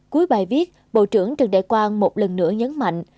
cuối bài viết bộ trưởng trần đại quang một lần nữa nhấn mạnh